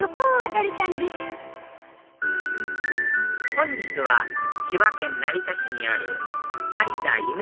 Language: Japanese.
本日は千葉県成田市にある成田ゆめ